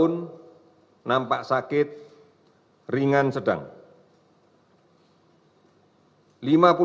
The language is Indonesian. menyemb masculine dan feminine leaving you